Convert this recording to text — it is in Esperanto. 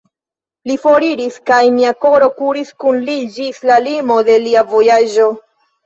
Li foriris, kaj mia koro kuris kun li ĝis la limo de lia vojaĝo.